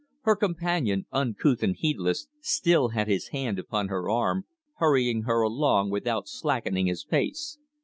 Her companion, uncouth and heedless, still had his hand upon her arm, hurrying her along without slackening his pace.